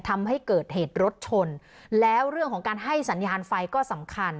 ทำให้เกิดเหตุรถชนแล้วเรื่องของการให้สัญญาณไฟก็สำคัญ